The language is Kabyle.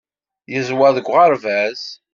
Yeẓwer deg uɣerbaz.